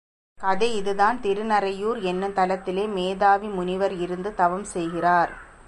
கதை இதுதான் திருநறையூர் என்னும் தலத்திலே மேதாவி முனிவர் இருந்து தவம் செய்கிறார்.